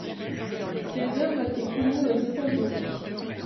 Ces œuvres étaient connues aux États-Unis.